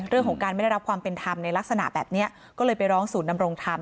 เรื่องของการไม่ได้รับความเป็นธรรมในลักษณะแบบนี้ก็เลยไปร้องสู่นำรงธรรม